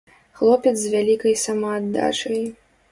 Хлопец з вялікай самааддачай.